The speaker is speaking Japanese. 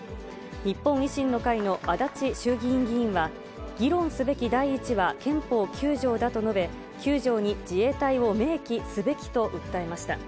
日本維新の会の足立衆議院議員は、議論すべき第一は憲法９条だと述べ、９条に自衛隊を明記すべきと訴えました。